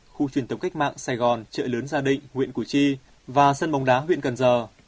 khu truyền tổng cách mạng sài gòn chợ lớn gia đình nguyện củ chi và sân bóng đá nguyện cần giờ